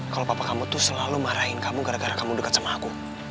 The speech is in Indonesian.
kalau papa kamu tuh selalu marahin kamu gara gara kamu dekat sama aku